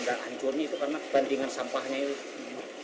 dan hancurnya itu karena bantingan sampahnya itu